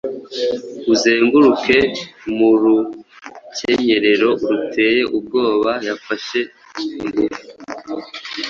Uzenguruke mu rukenyerero ruteye ubwoba yafashe igifu,